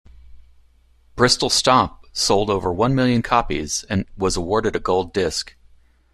"Bristol Stomp" sold over one million copies, and was awarded a gold disc.